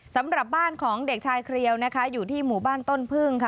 สำหรับบ้านของเด็กชายเครียวนะคะอยู่ที่หมู่บ้านต้นพึ่งค่ะ